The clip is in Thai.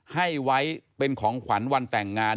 ให้ไว้เป็นของขวัญวันแต่งงาน